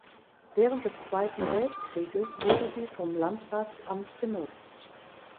Während des Zweiten Weltkrieges wurde sie vom Landratsamt genutzt.